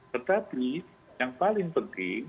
tetapi yang paling penting